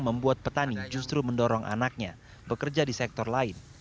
membuat petani justru mendorong anaknya bekerja di sektor lain